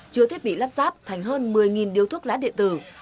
chứa thiết bị lắp sáp thành hơn một mươi điếu thuốc lá điện tử